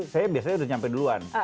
saya biasanya udah nyampe duluan